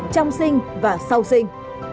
trong sinh và sau sinh